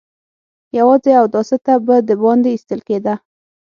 يواځې اوداسه ته به د باندې ايستل کېده.